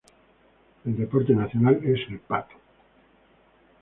El deporte nacional es el pato.